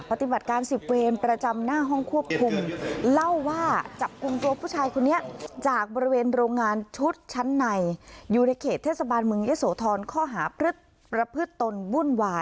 ปฏิบัติการณ์๑๐เวนประจำหน้าห้องควบคุม